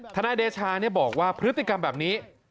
ธนาคดีชานี่บอกว่าพฤติกรรมแบบนี้